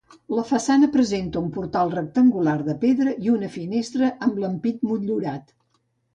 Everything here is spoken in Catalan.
La façana presenta un portal rectangular de pedra i una finestra amb l'ampit motllurat.